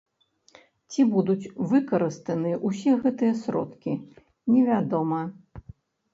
Ці будуць выкарыстаны ўсе гэтыя сродкі, невядома.